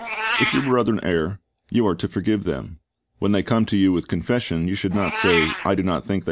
"^ If your brethren err, you are to forgive them. When they come to you with confession, you should not say, I 1 Luke 17 : 3 Gal.